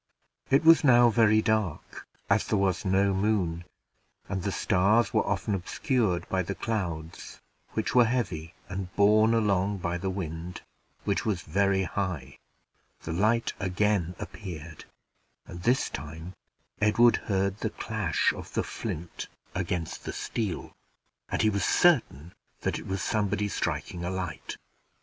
It was now very dark, as there was no moon, and the stars were often obscured by the clouds, which were heavy and borne along by the wind, which was very high. The light again appeared, and this time Edward heard the clash of the flint against the steel, and he was quite certain that it was somebody striking a light.